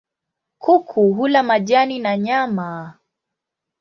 Kuku hula majani na nyama.